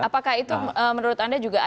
apakah itu menurut anda juga akan